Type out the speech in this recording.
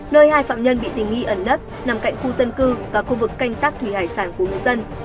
nơi hai phạm nhân bị tình nghi ẩn nấp nằm cạnh khu dân cư và khu vực canh tác thủy hải sản của người dân